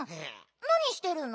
なにしてるの？